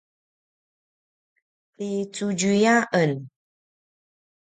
ti Cudjui a en